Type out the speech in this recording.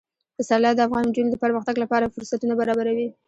پسرلی د افغان نجونو د پرمختګ لپاره فرصتونه برابروي.